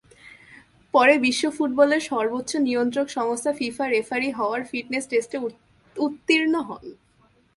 পরে বিশ্ব ফুটবলের সর্বোচ্চ নিয়ন্ত্রক সংস্থা ফিফা রেফারি হওয়ার ফিটনেস টেস্টে উত্তীর্ণ হন।